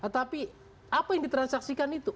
tapi apa yang ditransaksikan itu